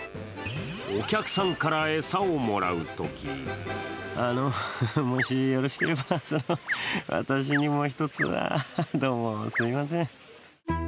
お客さんから餌をもらうときあの、もしよろしければ私にも一つどうも、すいません。